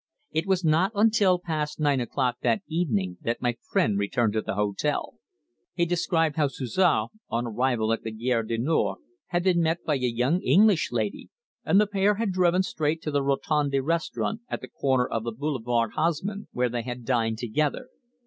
It was not until past nine o'clock that evening that my friend returned to the hotel. He described how Suzor on arrival at the Gare du Nord had been met by a young English lady, and the pair had driven straight to the Rotonde Restaurant at the corner of the Boulevard Haussmann, where they had dined together.